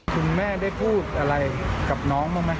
คุณแม่ได้พูดอะไรกับน้องมาไหมพ่อพูด